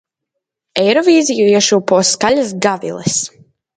Eirovīziju iešūpo skaļas gaviles.